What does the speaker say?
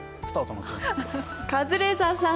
カズレーザーさん